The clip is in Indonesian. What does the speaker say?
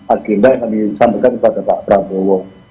agenda yang disampaikan kepada pak prabowo